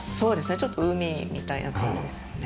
ちょっと海みたいな感じですよね。